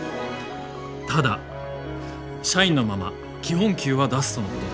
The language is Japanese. ただ社員のまま基本給は出すとのことです。